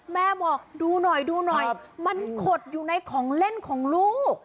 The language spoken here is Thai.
แม่บอกดูหน่อยดูหน่อยมันขดอยู่ในของเล่นของลูก